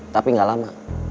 tapi gak lama